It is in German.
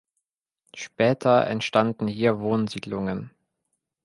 Später entstanden hier Wohnsiedlungen.